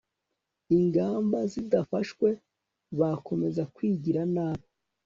ingamba zidafashwe bakomeza kwigira nabi